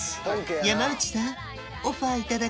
山内さん！